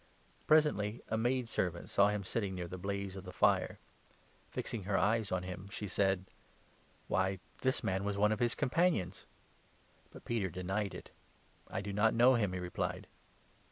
Presently a maidservant 56 peter disowns saw n'm sitting near the blaze of the fire. Fixing jesus. her eyes on him, she said :" Why, this man was one of his companions !" But Peter denied it. 57 " I do not know him," he replied.